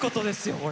これ。